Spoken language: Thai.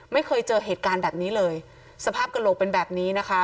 ไม่เคยเจอเหตุการณ์แบบนี้เลยสภาพกระโหลกเป็นแบบนี้นะคะ